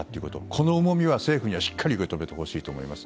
この重みを政府にはしっかりと受け止めてもらいたいです。